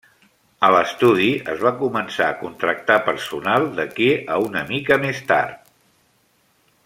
A l'estudi es va començar a contractar personal d'aquí a una mica més tard.